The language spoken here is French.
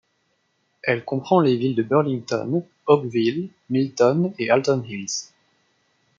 Elle comprend les villes de Burlington, Oakville, Milton et Halton Hills.